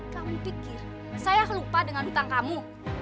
kamu pikir saya lupa dengan hutang kamu